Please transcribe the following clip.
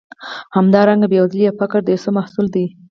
همدارنګه بېوزلي یا فقر د یو څه محصول دی.